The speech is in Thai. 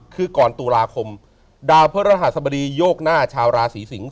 คือก่อนตุลาคมดาวพระรหัสบดีโยกหน้าชาวราศีสิงศ